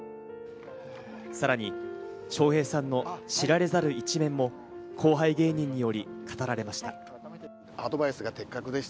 さらに笑瓶さんの知られざる一面も後輩芸人により語られました。